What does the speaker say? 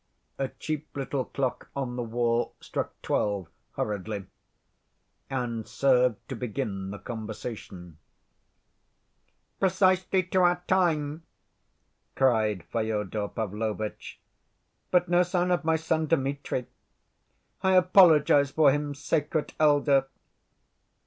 A cheap little clock on the wall struck twelve hurriedly, and served to begin the conversation. "Precisely to our time," cried Fyodor Pavlovitch, "but no sign of my son, Dmitri. I apologize for him, sacred elder!"